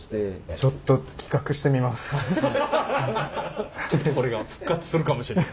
ちょっとこれが復活するかもしれない。